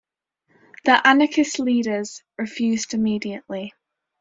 The anarchist leaders refused immediately.